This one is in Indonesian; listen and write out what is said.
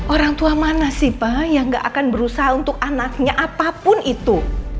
orang tua mana sih pak yang gak akan berusaha untuk anaknya apapun itu